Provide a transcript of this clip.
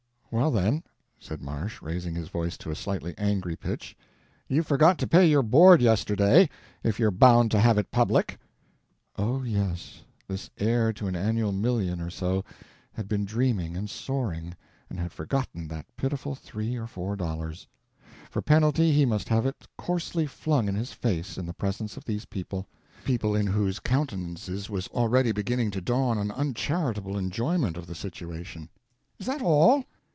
"Well, then," said Marsh, raising his voice to a slightly angry pitch, "You forgot to pay your board yesterday—if you're bound to have it public." Oh, yes, this heir to an annual million or so had been dreaming and soaring, and had forgotten that pitiful three or four dollars. For penalty he must have it coarsely flung in his face in the presence of these people—people in whose countenances was already beginning to dawn an uncharitable enjoyment of the situation. "Is that all!